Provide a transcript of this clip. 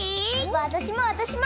わたしもわたしも！